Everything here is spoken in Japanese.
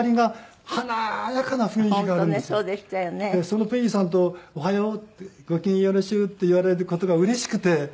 そのペギーさんと「おはよう」って「ご機嫌よろしゅう」って言われる事がうれしくて。